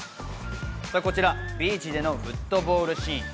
こちらビーチでのフットボールシーン。